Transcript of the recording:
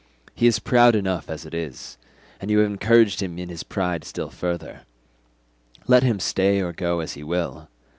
He is proud enough as it is, and you have encouraged him in his pride still further. Let him stay or go as he will.